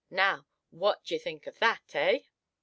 Now, what d'ye think of that, hey?"